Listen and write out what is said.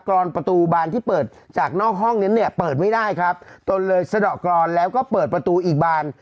รอนประตูบานที่เปิดจากนอกห้องนั้นเนี่ยเปิดไม่ได้ครับตนเลยสะดอกกรอนแล้วก็เปิดประตูอีกบาน